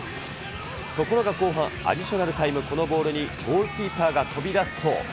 ところが後半、アディショナルタイム、このボールにゴールキーパーが飛び出すと。